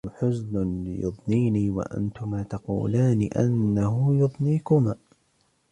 إنّهُ حزنٌ يضنيني، وأنتما تقولان أنه يضنيكما